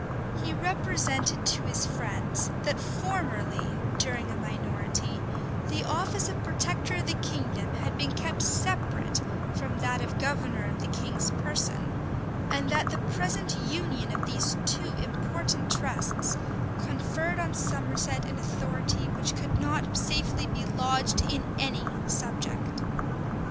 He represented to his friends, that formerly, during a minority, the office of protector of the kingdom had been kept separate from that of governor of the king's person; and that the present union of these two important trusts conferred on Somerset an authority which could not safely be lodged in any subject.